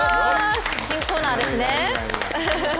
新コーナーですね。